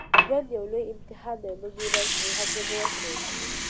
ژوند یو لوی امتحان دی او موږ یې باید په ښه توګه ورکړو.